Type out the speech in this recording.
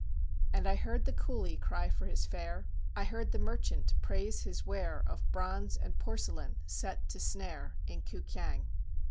And I heard the coolie cry for his fare, I heard the merchant praise his ware Of bronze and porcelain set to snare, In K'u Kiang!